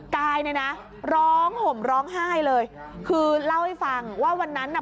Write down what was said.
กายเนี่ยนะร้องห่มร้องไห้เลยคือเล่าให้ฟังว่าวันนั้นน่ะ